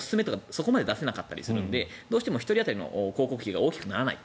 そこまで出せなかったりするのでどうしても１人当たりの広告費が大きくならない。